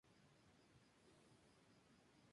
Cada mes se supone que empezaba con la luna nueva.